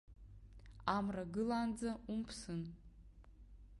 Амра гылаанӡа умԥсын.